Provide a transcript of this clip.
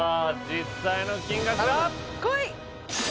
実際の金額はこい！